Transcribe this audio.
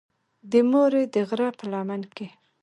د مورې د غرۀ پۀ لمن کښې